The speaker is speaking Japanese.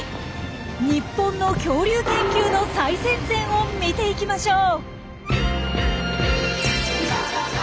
日本の恐竜研究の最前線を見ていきましょう。